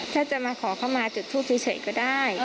ถ้าจะมาขอเข้ามาจุดทูปเฉยก็ได้